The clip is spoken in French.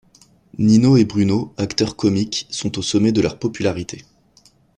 Nino et Bruno, acteurs comiques, sont au sommet de leur popularité.